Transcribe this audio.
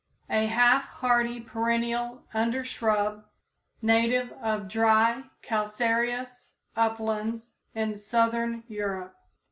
a half hardy perennial undershrub, native of dry, calcareous uplands in southern Europe.